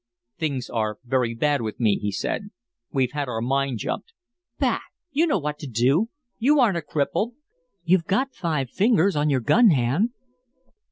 "Things are very bad with me," he said. "We've had our mine jumped." "Bah! You know what to do. You aren't a cripple you've got five fingers on your gun hand."